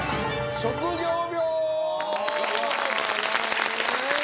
職業病。